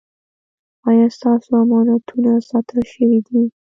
ایا ستاسو امانتونه ساتل شوي دي؟